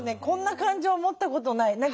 こんな感情持ったことない。